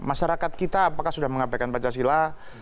masyarakat kita apakah sudah mengabaikan pancasila